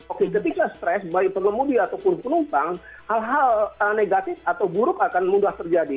oke ketika stres baik pengemudi ataupun penumpang hal hal negatif atau buruk akan mudah terjadi